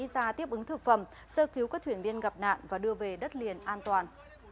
ra tiếp ứng thực phẩm sơ cứu các thuyền viên gặp nạn và đưa về đất liền an toàn